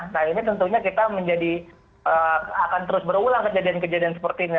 nah ini tentunya kita menjadi akan terus berulang kejadian kejadian seperti ini